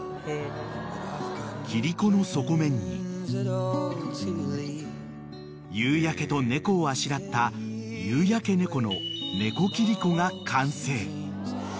［切子の底面に夕焼けと猫をあしらった夕焼け猫の猫切子が完成］